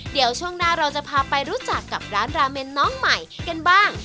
เดี๋ยวช่วงหน้าเราจะพาไปรู้จักกับร้านราเมนน้องใหม่กันบ้าง